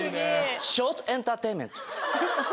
ショートエンターテインメント！